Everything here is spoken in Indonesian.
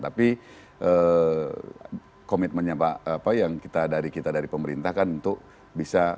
tapi komitmennya pak pak yang kita dari pemerintah kan untuk bisa mencari